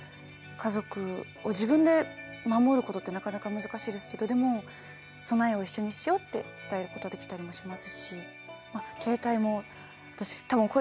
家族を自分で守ることってなかなか難しいですけどでも備えを一緒にしようって伝えることはできたりもしますし携帯も私多分。